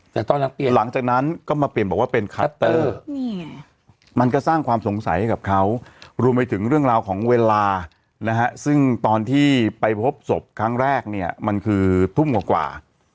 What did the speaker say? แต่ตอนหลังเปลี่ยนหลังจากนั้นก็มาเปลี่ยนบอกว่าเป็นคัตเตอร์มันก็สร้างความสงสัยให้กับเขารวมไปถึงเรื่องราวของเวลานะฮะซึ่งตอนที่ไปพบศพครั้งแรกเนี่ยมันคือทุ่มกว่า